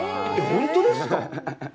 本当ですか？